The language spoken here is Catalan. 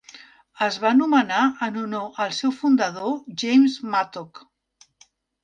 Es va nomenar en honor al seu fundador, James Mattock.